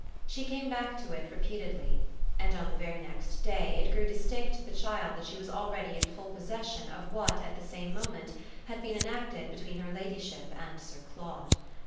She came back to it repeatedly, and on the very next day it grew distinct to the child that she was already in full possession of what at the same moment had been enacted between her ladyship and Sir Claude.